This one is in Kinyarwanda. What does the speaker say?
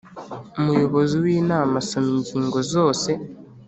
Umuyobozi w Inama asoma ingingo zose